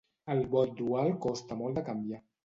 El vot dual costa molt de canviar.